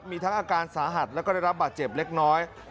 มีทั้งอาการสาหัสแล้วก็ได้รับบาดเจ็บเล็กน้อย